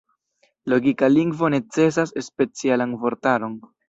Logika lingvo necesas specialan vortaron.